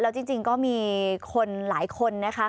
แล้วจริงก็มีคนหลายคนนะคะ